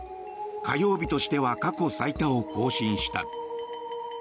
火曜日としては過去最多を更新した。